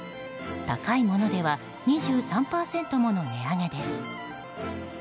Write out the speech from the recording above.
高いものでは２３％もの値上げです。